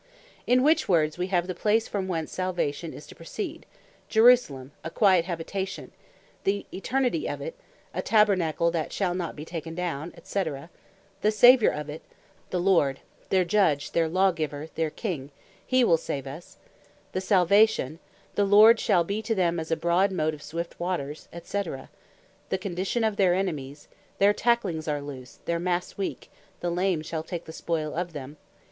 In which words wee have the place from whence Salvation is to proceed, "Jerusalem, a quiet habitation;" the Eternity of it, "a tabernacle that shall not be taken down," &c. The Saviour of it, "the Lord, their Judge, their Lawgiver, their King, he will save us;" the Salvation, "the Lord shall be to them as a broad mote of swift waters," &c. the condition of their Enemies, "their tacklings are loose, their masts weake, the lame shal take the spoil of them."